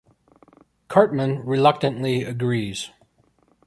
Cartman reluctantly agrees.